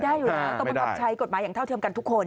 ได้อยู่แล้วต้องบังคับใช้กฎหมายอย่างเท่าเทียมกันทุกคน